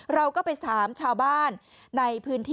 เราก็ไปถามชาวบ้านในพื้นที่